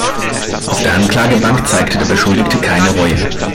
Auf der Anklagebank zeigte der Beschuldigte keine Reue.